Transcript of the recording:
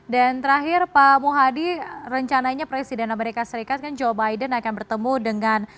dan terakhir pak muhadi rencananya presiden amerika serikat joe biden akan bertemu dengan